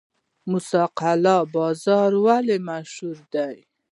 موسی قلعه بازار ولې مشهور دی؟